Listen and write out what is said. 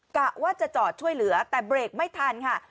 กะว่าจะจอดช่วยเหลือแต่เบรกไม่ทันค่ะ